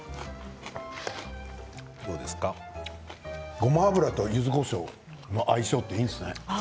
ごま油と、ゆずこしょうの相性っていいんですね。